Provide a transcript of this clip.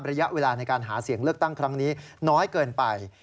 ระยะเวลาในการหาเสียงเลือกตั้งครั้งนี้น้อยเกินไป